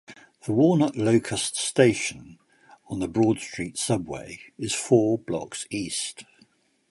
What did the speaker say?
The Walnut-Locust station on the Broad Street Subway is four blocks east.